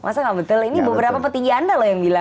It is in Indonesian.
masa enggak betul ini beberapa petinggi anda yang bilang